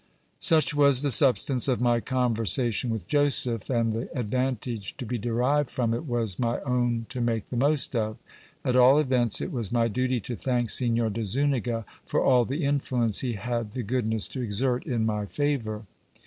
Such was the substance of my conversation with Joseph, and the advantage to be derived from it was my own to make the most of : at all events, it was my duty to thank Signor de Zuniga for all the influence he had the goodness to exert in my favour.